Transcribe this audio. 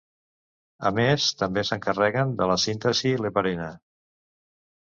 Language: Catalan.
A més, també s'encarreguen de la síntesi l'heparina.